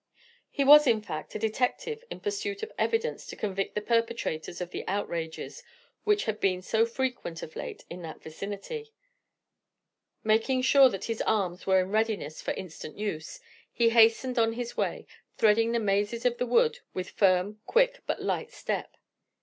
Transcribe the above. He was, in fact, a detective in pursuit of evidence to convict the perpetrators of the outrages which had been so frequent of late in that vicinity. Making sure that his arms were in readiness for instant use, he hastened on his way, threading the mazes of the wood with firm, quick, but light step.